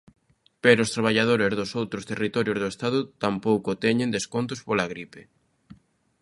Pero os traballadores dos outros territorios do Estado tampouco teñen descontos pola gripe.